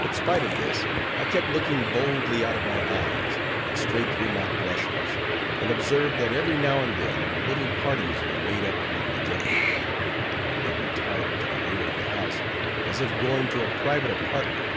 But spite of this, I kept looking boldly out of my eyes, and straight through my blushes, and observed that every now and then little parties were made up among the gentlemen, and they retired into the rear of the house, as if going to a private apartment.